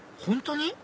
本当に？